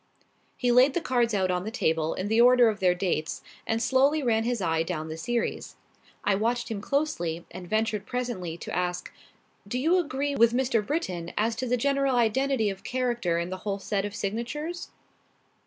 He laid the cards out on the table in the order of their dates and slowly ran his eye down the series. I watched him closely and ventured presently to ask: "Do you agree with Mr. Britton as to the general identity of character in the whole set of signatures?"